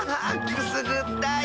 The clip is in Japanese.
くすぐったい！